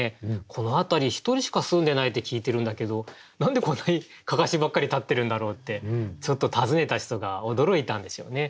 この辺り一人しか住んでないって聞いてるんだけど何でこんなに案山子ばっかり立ってるんだろうってちょっと訪ねた人が驚いたんでしょうね。